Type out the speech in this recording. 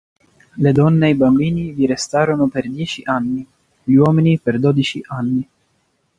Le donne e bambini vi restarono per dieci anni, gli uomini per dodici anni.